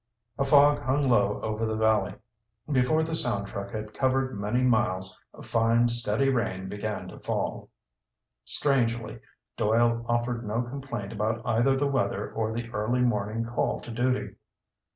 A fog hung low over the valley. Before the sound truck had covered many miles a fine, steady rain began to fall. Strangely, Doyle offered no complaint about either the weather or the early morning call to duty.